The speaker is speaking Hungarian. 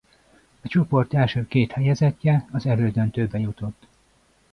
A csoport első két helyezettje az elődöntőbe jutott.